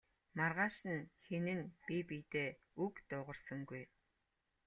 Маргааш нь хэн нь бие биедээ үг дуугарсангүй.